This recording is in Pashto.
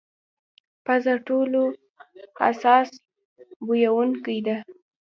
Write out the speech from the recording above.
پزه ټولو حساس بویونکې ده.